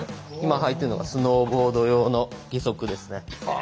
今履いてるのがスノーボード用の義足ですね。